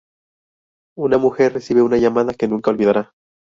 Una mujer recibe una llamada que nunca olvidará.